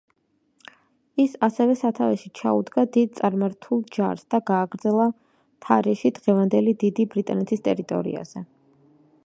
ის ასევე სათავეში ჩაუდგა დიდ წარმართულ ჯარს და გააგრძელა თარეში დღევანდელი დიდი ბრიტანეთის ტერიტორიაზე.